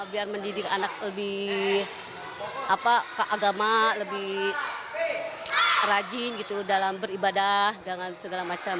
biar mendidik anak lebih keagama lebih rajin dalam beribadah dan segala macam